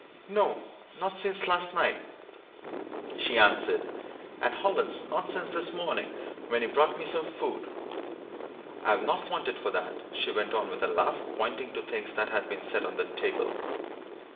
"No not since last night," she answered. "And Hollins not since this morning when he brought me some food I've not wanted for that," she went on, with a laugh, pointing to things that had been set on the table.